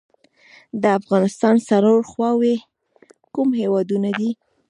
د افغانستان څلور خواوې کوم هیوادونه دي؟